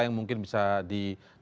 yang mungkin bisa dijadikan